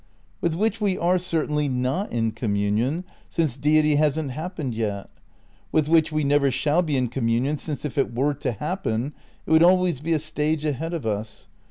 With which we are certainly not in communion, since Deity hasn't happened yet. With which we never shall be in communion since, if it were to happen, it would always be a stage ahead of us.